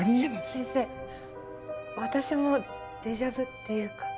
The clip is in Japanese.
先生私もデジャビュっていうか。